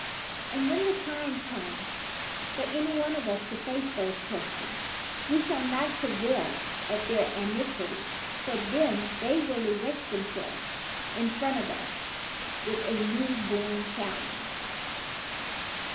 And when the time comes for any one of us to face those questions we shall not cavil at their antiquity, for then they will erect themselves in front of us with a new bora challenge.